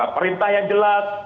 perintah yang jelas